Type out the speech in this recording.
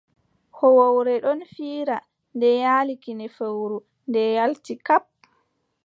Hoowowre ɗon fiira, nde yaali kine fowru, nde yaalti. Kap!